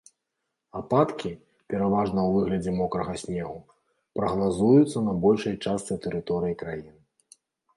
Ападкі, пераважна ў выглядзе мокрага снегу, прагназуюцца на большай частцы тэрыторыі краіны.